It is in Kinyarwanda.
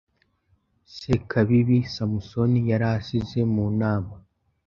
Sekabibi Samusoni yari asize mu nama